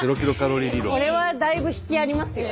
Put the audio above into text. これはだいぶ引きありますよ。